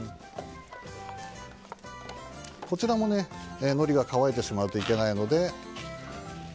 こちらものりが乾いてしまうといけないので。